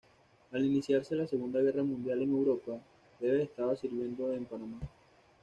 Al iniciarse la Segunda Guerra Mundial en Europa, Devers estaba sirviendo en Panamá.